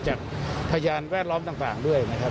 จากพยานแวดล้อมต่างด้วยนะครับ